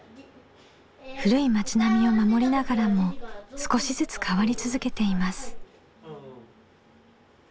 古い町並みを守りながらも少しずつ変わり続けています。